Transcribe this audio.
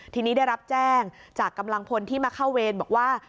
ทีนี้ได้รับแจ้งจากกำลังพลที่มาเข้าเวรบอกว่า